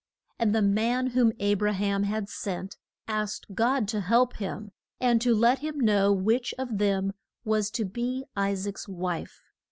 And the man whom A bra ham had sent, asked God to help him, and to let him know which one of them was to be I saac's wife.